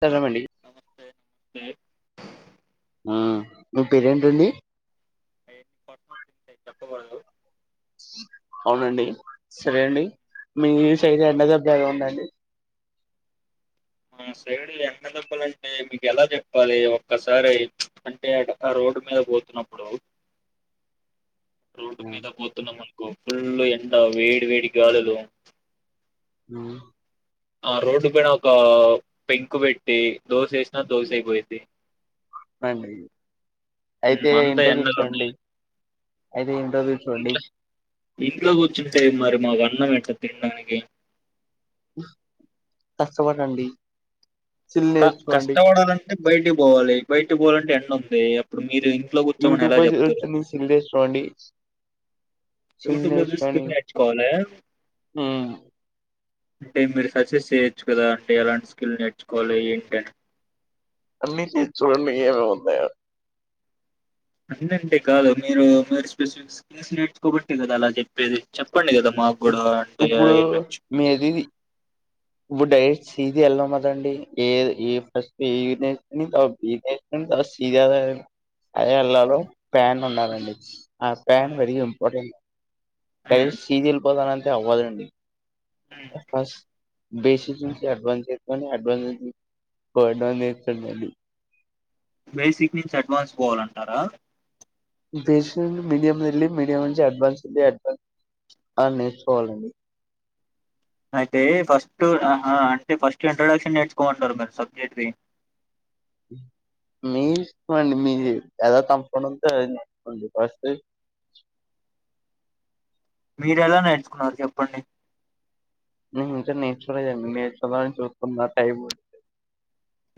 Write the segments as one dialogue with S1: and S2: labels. S1: చేదమండి
S2: నమస్తే నమస్తే
S1: ఉమ్ మీ పేరేంటండి
S2: అవన్నీ పర్సనల్ థింగ్స్ అయి చెప్పకూడదు
S1: అవునండి సరే అండి మీ సైడ్ ఎండ దెబ్బా ఎలా ఉందండి
S2: మా సైడు ఎండ దెబ్బలంటే మీకు ఎలా చెప్పాలి ఒక్కసారి అంటే ఆ రోడ్డు మీద పోతున్నప్పుడు రోడ్డు మీద పోతున్నాం అనుకో ఫుల్ ఎండ వేడి వేడి గాలులూ
S1: ఉమ్
S2: ఆ రోడ్డు పైన ఒక పెంకు పెట్టి దోశ ఏసినా దోశ అయిపోయిద్ది
S1: అంది
S2: అంతే ఎండలు ఉన్నాయి
S1: అయితే ఇంట్లో కూర్చోండి
S2: ఇంట్లో కూర్చుంటే మరి మాకు అన్నం ఎట్లండి తిండానికి
S1: కష్టపడండి స్కిల్
S2: క
S1: నేర్చుకోండి
S2: కష్టపడాలంటే అంటే బయటికి పోవాలి బయట పోవాలంటే ఎండ ఉంది అప్పుడు మీరు ఇంట్లో కూర్చోమని
S1: యూట్యూబ్
S2: ఎలా
S1: లో
S2: చెప్తారు
S1: చూసి స్కిల్ నేర్చుకోండి స్కిల్
S2: యూట్యూబ్ లో చూసి
S1: నేర్చుకొని
S2: స్కిల్ నేర్చుకోవాల్లా
S1: ఉమ్,
S2: అంటే మీరు సజెస్ట్ చేయొచ్చు కదా అంటే ఎలాంటి స్కిల్ నేర్చుకోవాలి ఏంటన్నీ
S1: అన్నీ చేయొచ్చు అన్నీ ఏముంది
S2: అన్నీ అంటే కాదు మీరు మీరు స్పెసిఫిక్ స్కిల్స్ నేర్చుకోబట్టే కదా అలా చెప్పేది చెప్ప
S1: ఇప్పుడు మీది బుడై సీది ఎళ్లంమజ్ండీ ఏ ఏ ఫస్ట్ ఏ వేసుకని తర్వాత బీ ఏసుకొన్నీ తర్వాత సీది అదే వెళ్ళాల ఫ్యాన్ ఉండండి ఆ ఫ్యాన్
S2: హ్మ్.
S1: వెరీఇంపోర్టెట్ అ
S2: హ్మ్.
S1: సీరిల్ నింతే అవ్వదండి
S2: హ్మ్.
S1: అఫ బేసిస్ నుంచి అడ్వాన్సని అడ్వాన్సజ అడ్వాన్ండి
S2: బేసిక్ నుంచి అడ్వాన్స్ పోవాలంటారా
S1: బేసిక్ మీడియం వెళ్ళి మీడియం నుంచి అడ్వాన్స్ వెళ్ అడ్వాన్స్ అని నేర్చుకోవాలండి
S2: అయితే ఫస్ట్ అంటే ఫస్ట్ ఇంట్రొడక్షన్ నేర్చుకోంటారు మీరు సబ్జెక్ట్ క
S1: మీ ఇసుకోండి మీ ఎలా తంపంంతోకోండి వస్త
S2: మీర ఎలా నేర్చుకున్నారు చెప్పండి
S1: నేను ఇంకా నేర్చుకోలేదని నేర్చుకోవాలని చూస్తున టైం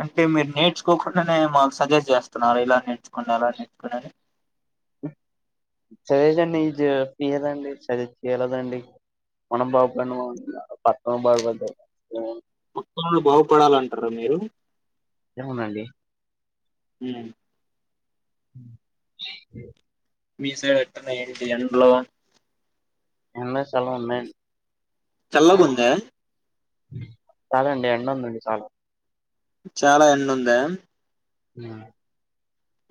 S2: అంటే మీరు నేర్చుకోకుండానే మాకు సజెస్ట్ చేస్తున్నారు ఇలా నేర్చుకోండా అలా నేర్చుకోవలని
S1: సజెస్ట్ చేయలేదండి సజెస్ట్ చేయలేదండి మనం బాగుపడ్ పక్క బాగుపడ్
S2: పక్క వాళ్ళు బాగుపడాలి అనుకుంటారు కదా మీరు
S1: ఏమోనండి
S2: మ్ మీ సైడ్ ఎట్లున్నాయి ఏంటి ఎండలు
S1: ఎండలు చాలా ఉన్నాయండి
S2: చల్లగా ఉందా
S1: అవునండి ఎండ ఉందండి చానా
S2: చాలా ఎండ ఉందా
S1: మ్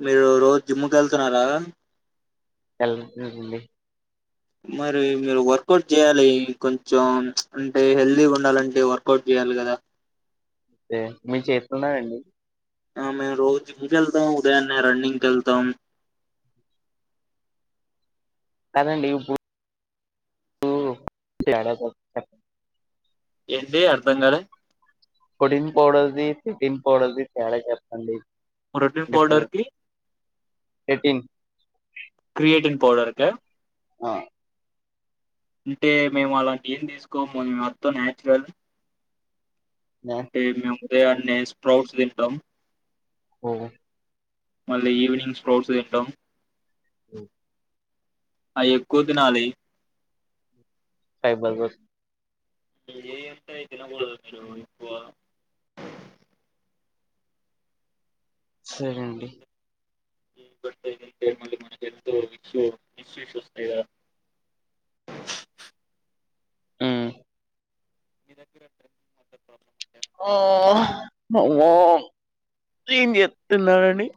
S2: మీరు రోజు జిమ్ కి వెళ్తున్నారా
S1: వెళ్లట్లేదండి
S2: మరి మీరు వర్కౌట్ చేయాలి, కొంచెం అంటే హెల్దీగా ఉండాలంటే వర్కౌట్ చేయాలి కదా
S1: అయితే మీ చేతునారండి
S2: మేము రోజు జిమ్ కి వెళ్తామ్ ఉదయాన్నే రన్నింగ్ ఎల్తామ్
S1: కదండి ఇప్పుడు అంటే ఏడ కలుస్తా [unintelligible]
S2: ఏంటి అర్థం కాలే
S1: ప్రొటీన్ పౌడర్దిి సిటీన్ పౌడర్దిి తేడా చెప్పండి
S2: ప్రోటీన్న్ పౌడర్కి
S1: ఎటీన్
S2: క్రియేటిన్ పౌడర్క
S1: ఆ
S2: అంటే మేము అలాంటి ఏం తీసుకోముో మ అత్తం న్యాచురల్
S1: న్యాచురల్
S2: ంటే మ ఉద అ స్పట్ తింటం
S1: ఓం
S2: మళ్ళీ ఈవినింగ్ స్క్రోల్స్ తింటాం.
S1: ఉ
S2: అయ్ ఎక్కువ దినాలి
S1: ఫైవ్ బల్బుస్
S2: ఏ అంత అయితే తినబోదు మీరు ఎక్కువ
S1: సరే అండి
S2: బతాయిది అంత మళ మన ఎత్ ఇష్యూ ఇస్ ఇశూస్తా ఇద [unintelligible]
S1: హు
S2: ఇగ్ ప్రాబ్ల [unintelligible]
S1: ఆ అ ఏం చేస్తున్నారండి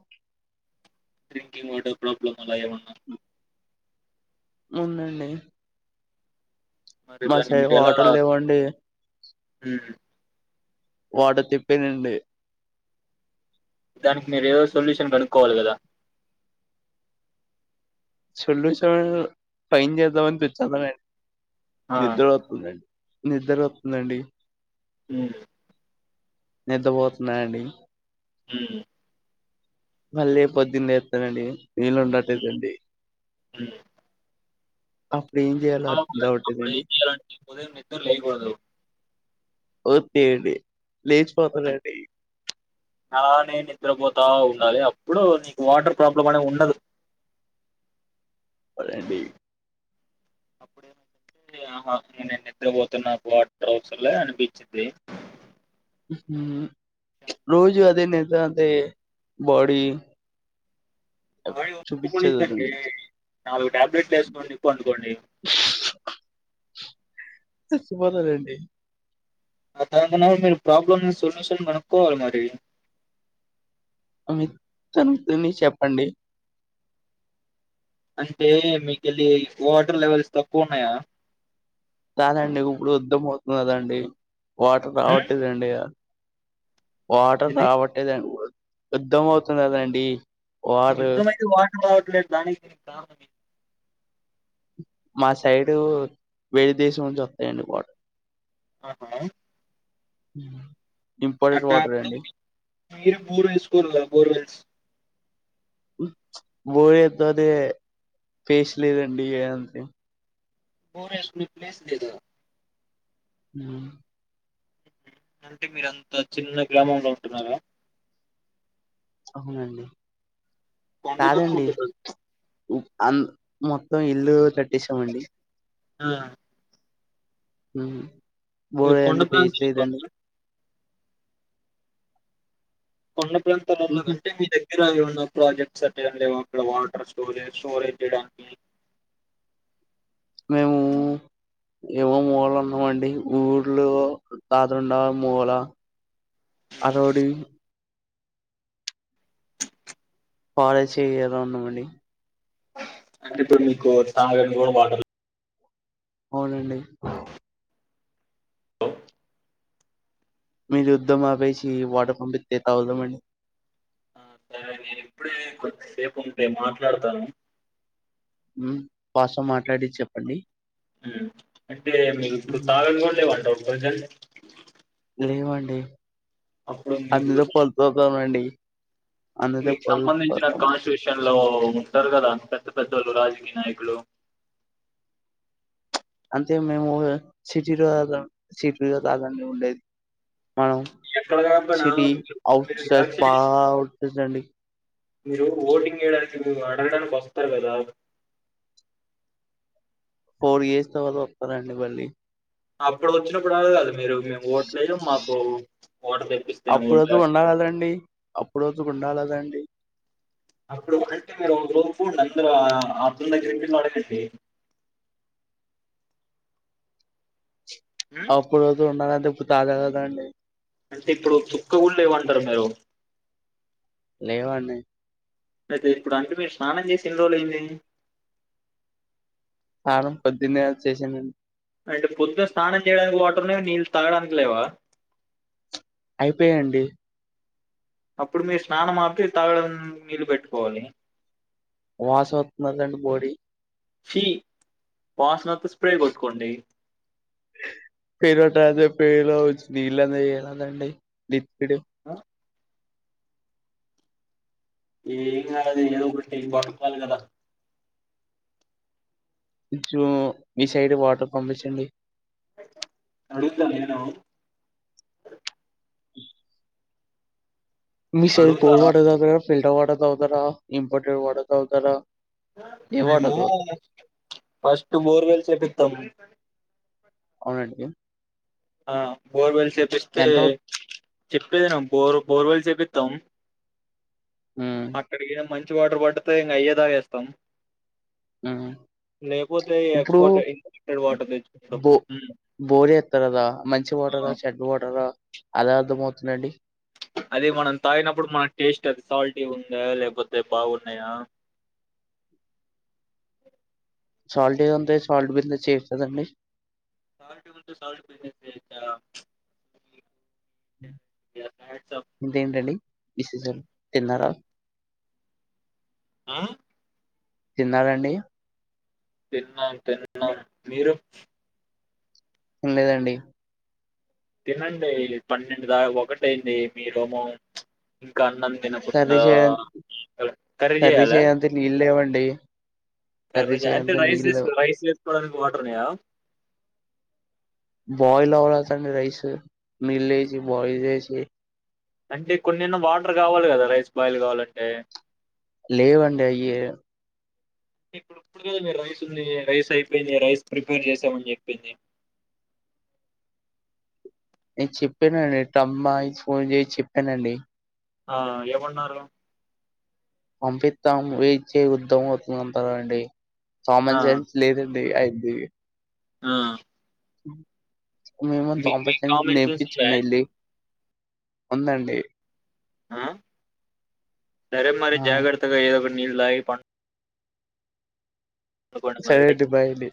S2: డ్రింకింగ్ వాటర్ ప్రాబ్లం అలా ఏమన్నా
S1: ఉండండి
S2: మరి
S1: మా సై వాటర్ లేవ్వండి
S2: హు
S1: వాటర్ తింపినండి
S2: దానికి మీరు ఏదో సొల్యూషన్ కడుక్కోవాలి కదా
S1: చుల్ చవన్ పైన్ చేద్దావన్ తెచ్చాడి [unintelligible]
S2: ఆ,
S1: నిద్ర వస్తుతుందండి నిద్ర వతుందండి
S2: హు
S1: నిద్రపోతున్నా అండి
S2: ఉమ్
S1: మళ్ళీ పొద్దున్న వేస్తానండి వీలు ఉండట్లేదండి
S2: జ
S1: ఆ ఇప్పుడేం చేయాలో అర్థం
S2: అప్పుడు ఏం
S1: కావట్లేదండి
S2: చేయాలంటే ఉదయం నిద్ర లేవకూడదు
S1: ఓకే అండి లేచిపోతారండి
S2: అలానే నిద్రపోతా ఉండాలి అప్పుడు నీకు వాటర్ ప్రాబ్లం అనే ఉండదు
S1: సరే అండి
S2: అప్పుడేమంటంటే ఇకా నేను నిద్రపోతున్నాకు వాటర్ అవసలే అనిపించింది
S1: రోజు అదే నిద్ర అంటే బాడీ
S2: మ ఒకం
S1: చూపించదండి
S2: [unintelligible] నాలుగు టాబ్లెట్లు వేసుకోండి పడుకోండి
S1: సుభద రెండి [unintelligible]
S2: అ దానింత నా మీరు ప్రాబ్లమ్ సొల్యూషన్ కనుక్కోవాలి మరి
S1: మిత్తని చెప్పండి
S2: అంటే మీకు వెళ్ళి వాటర్ లెవెల్స్ తక్కువ ఉన్నాయా
S1: చదండి ఇప్పుడు యుద్ధం అవుతున్నదండి వాటర్
S2: ఉమ్,
S1: రావట్లేదండి వాటర్
S2: ఇది
S1: రాబట్టేది అంకదు [unintelligible] యుద్ధం అవుతుంది అండి
S2: యుద్ధంమయితే వాట రావట్లేదు దానికి
S1: మా సైడ్ వేరె దేశం నుంచి వస్తాయండి బటర్
S2: ఆహా
S1: ఉ
S2: అంట అప్పుడు అప్పుడు మీరు బోర్ వేసుకోరాల బోర్వల్స్
S1: బోర ఎదద ఫేష లేదారండి అంది
S2: బోర్ వేసే ప్లేస్ లేదా
S1: హ్మ్
S2: అంటే మీరంత చిన్న గ్రామంలో ఉంటున్నారా
S1: అవునండి
S2: కొండలలో
S1: కాదండి
S2: ఉంటున్నారు
S1: అ మొత్తం ఇల్ చట్ దిశామండి
S2: ఆ
S1: హ్మ్
S2: మీరు
S1: [unintelligible]
S2: కొండ
S1: అంది పస
S2: ప్రాంతం కొండా ప్రాంతాలల్లో
S1: హుహు.
S2: అంటే మీ దగ్గ మీరా ఏమన్న ప్రాజెక్ట్స్ అట్ట లేవు అక్కడ వాటర్ స్టోరేజ్ స్టోరేజ్ చేయడానికి
S1: మేము ఏవో మూగలు ఉన్నామండి ఊర్కో తాతండ మూల అరడి పాలే చేయ్యలా ఉన్నా అండి
S2: అంటే ఇప్పుడు మీకు తాగనికి కూడా వాటర్
S1: అవునండి
S2: లేవు
S1: మీరు యుద్ద్దం ఆపేసి వాటర్ పంపితే తాగుతాం అండి
S2: ఆ, నేను ఇప్పుడే కొంత సేపు ఉంటే మాట్లాడతాను
S1: పాస మాట్లాడి చెప్పండి
S2: ఉమ్ అంటే మీకు ఇప్పుడు
S1: ఉమ్
S2: తాగని కూడా లేవంట [unintelligible]
S1: లేవండి
S2: మీరు
S1: అందుతో పల్తతానండి
S2: మీకు సంబంధించిన కాన్స్టి విషయా అలో ఉంటారు కదా పెద్ద పెద్ద వాళ్ళు రాజకీయ నాయకులు
S1: అంతే మేము సిటీలో సిటీలో రాధన్ని ఉండేది మనం
S2: ఎక్కడ కాకపోయినా
S1: సిటీ
S2: మీరు మీరు
S1: అఔట్ సైడ్స్
S2: ఎలక్షన్
S1: బాట్స్ అండి
S2: మీరు ఓటింగ్ వెయడానికి అడగడానికి వస్తారు కదా
S1: ఫోర్ ఇయర్స్ తర్వాత వతారండి మళ్ళీ
S2: అప్పుడు వచ్చినప్పుడు అడగరాదు మీరు మేము ఓట్లేయ మాకు ఓటర్ తెప్పిస్తే
S1: అప్పుడు వరకు
S2: ఓట్లేస్తం
S1: ఉండాలదండి. అప్పుడు వరకు ఉండాలదండి.
S2: అప్పుడు అంటే మీరు ఒక రోజు కూడాడి అందరు అ తందగ్గరండి వెళ్లి అడగండి ఉమ్
S1: అప్పుడు ఉండాలంటే ప్పు [inaudible] అండి
S2: అంటే ఇప్పుడు చుక్క కూడా లేవంటారు మీరు
S1: లేవండి
S2: అయితే ఇప్పుడు అందుకు మీరు స్నానం చేసి ఎన్ని రోజులు అయింది
S1: స్నానం పొద్దున్నే చేసానండి
S2: అంటే పొద్దున స్నానం చేయడానికి వాటర్ ఉన్నయ్ నీళ్ళు తాగడానికి లేవా
S1: అయిపోయిండి
S2: అప్పుడు మీరు స్నానం ఆపి తాగడం నీళ్ళ పెట్టుకోవాలి
S1: వాసన వస్తుంది అండి బాడీ
S2: చి వాసన వస్తూ స్ప్రే కొట్కోండి
S1: పేరుట రాజ పేలో నీళ్ళలాదండి [unintelligible] ఇక్కడ
S2: ఆ? ఏం కాదు ఏదో ఒకటి తిని పడుకోవాలి కదా
S1: మీ సైడ్ వాటర్ పంపించండి
S2: అడుందాం నను
S1: మీ సైడ్
S2: అడుగుతా
S1: బోర్ వాటర్ ఫిల్టర్ వాటర్ తగుతర ఇంపర్టెడ్ వాటర్ తాగుతారా ఏ వాటర్
S2: మేము
S1: తాగుతారు
S2: ఫస్ట్ బోర్వేల్ చేపిస్తాము
S1: అవునండి
S2: బోర్ వెల్ చెప్పిస్తే
S1: ఎంత అవు
S2: చెప్పేది ను బోరు బోర్వెల్స్ చేపిస్తాం
S1: ఉమ్
S2: అక్కడకి మంచి మంచి వాటర్ పడితే ఇంకా అయ్యే తాగిస్తాము
S1: ఉమ్
S2: లేకపోతే
S1: ఇప్పుడు
S2: ఎక్స్పోర్ట్ ఇన్టెడ్ వాటర్ తెచ్చుకుంటాం
S1: దా మంచి వాటర్ చెడ్డ వాటర్ అలా అర్థంమవుతుందండి
S2: అది మనం తాగినప్పుడు మన టేస్ట్ అది సాల్టీగా ఉందా లేకపోతే బాగున్నాయా
S1: సాల్ట్ ఏద ఉంది సాల్ట్ మీద చేస్తుందండి
S2: [unintelligible] [inaudible] హ్యాట్స్ ఆఫ్.
S1: ఇంకేంటండి విశేషాలు తిన్నారా
S2: ఆ
S1: తిన్నారండి
S2: తిన్నాం తిన్నాం మీరు
S1: లేదండి
S2: తినండి పన్నెండు దా ఒకటయింది మీ రెమో ఇంకా అన్నం
S1: కర్రీ
S2: తినకుండా
S1: కర్రీ చేయాలంటే నీళ్లవ్వండి అండి
S2: కర్రీ జ అంటే రైస్ తీసుకో రైస్ కొ రికవార్టర్ని
S1: బాయిల్ అవతని రైస్ నీల్ వేసి బాయిల్ చేసి
S2: అంటే కొన్నిన్నో వాటర్ కావాలి కదా రైస్ బాయిల్ కావాలంటే
S1: లేవండి అయ్యే
S2: ఇప్పుడు ఇప్పుడు కదా మీరు రైస్ ఉంది రైస్ అయిపోయింది రైస్ ప్రిపేర్ చేసామని చెప్పింది
S1: నేను చెప్పానుండి టమ్మాయి ఫోన్ చేసి చెప్పానండి
S2: ఆ ఏమన్నారు?
S1: పంపితం వేచే ఉద్ధమం అవుతుందంటారా అండి
S2: ఆ!
S1: సామాన్సన్స్ లేదండి అయితే ధే
S2: ఆ
S1: ఉమ్ మేము
S2: మీ మీ
S1: తంపం
S2: కామన్ సెన్స్ ఉందా?
S1: నేర్పించిండ వెళ్లి ఉందండి
S2: ఆ సరే మరి
S1: ఆ
S2: జాగ్రత్తగా ఎధో ఒకాటి నెల్ తాగి పా
S1: సరే
S2: మరి.
S1: అండీ బై అండీ